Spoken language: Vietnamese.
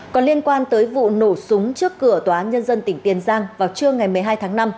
còn liên quan tới vụ nổ súng trước cửa tòa án nhân dân tỉnh tiền giang vào trưa ngày một mươi hai tháng năm